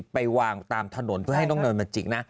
ไปวางตามถนนเพื่อให้น้องเนินมาจิกนะ